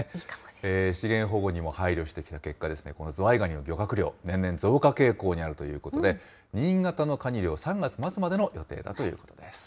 資源保護にも配慮した結果、このズワイガニの漁獲量、年々増加傾向にあるということで、新潟のカニ漁、３月末までの予定だということです。